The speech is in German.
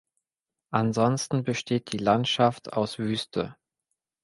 Ansonsten besteht die Landschaft aus Wüste.